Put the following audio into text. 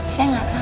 saya gak tahu ya